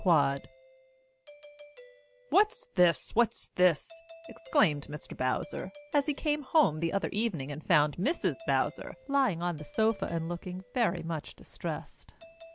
QUAD "What's this! What's this!" exclaimed Mr. Bowser, as he came home the other evening and found Mrs. Bowser lying on the sofa and looking very much distressed.